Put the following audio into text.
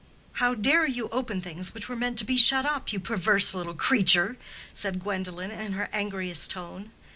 "How dare you open things which were meant to be shut up, you perverse little creature?" said Gwendolen, in her angriest tone.